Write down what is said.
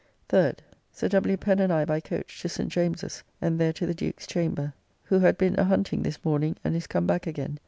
3rd. Sir W. Pen and I by coach to St. James's, and there to the Duke's Chamber, who had been a hunting this morning and is come back again.